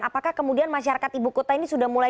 apakah kemudian masyarakat ibu kota ini sudah mulai